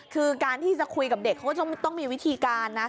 คือการที่จะคุยกับเด็กเขาก็ต้องมีวิธีการนะ